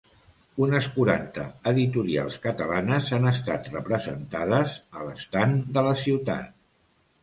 Unes quaranta editorials catalanes han estat representades a l'estand de la ciutat.